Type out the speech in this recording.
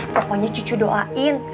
pokoknya cucu doain